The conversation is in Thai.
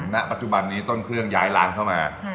ณปัจจุบันนี้ต้นเครื่องย้ายร้านเข้ามา